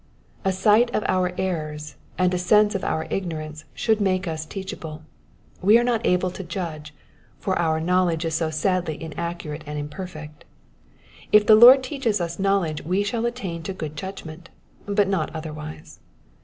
A sight of our errors and a sense of our ignorance should make tis teachable. We are not able to judge, for our knowledge is so sadly in accurate and imperfect ; if the Lord teaches us knowledge we shall attain to good judgment, but not otherwise.